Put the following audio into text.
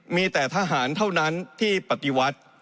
มีแต่ทหารเท่านั้นที่ปฏิวัติ